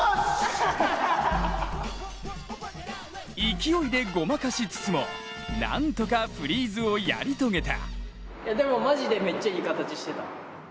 勢いでごまかしつつもなんとかフリーズをやり遂げた。